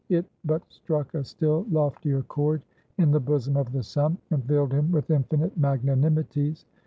It but struck a still loftier chord in the bosom of the son, and filled him with infinite magnanimities.